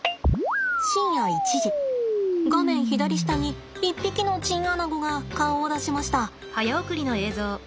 深夜１時画面左下に一匹のチンアナゴが顔を出しました。